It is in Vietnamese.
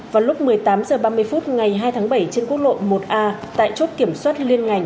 vào lúc một mươi tám h ba mươi phút ngày hai tháng bảy trên quốc lộ một a tại chốt kiểm soát liên ngành